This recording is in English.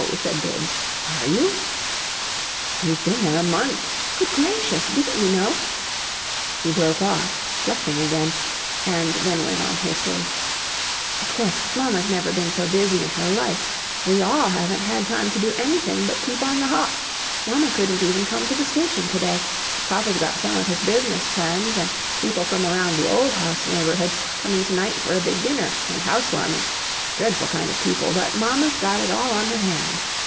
said Bibbs. "Are you?" "We've been there a month! Good gracious! Didn't you know " She broke off, flushing again, and then went on hastily: "Of course, mamma's never been so busy in her life; we ALL haven't had time to do anything but keep on the hop. Mamma couldn't even come to the station to day. Papa's got some of his business friends and people from around the OLD house neighborhood coming to night for a big dinner and 'house warming' dreadful kind of people but mamma's got it all on her hands.